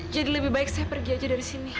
jadi lebih baik saya pergi aja dari sini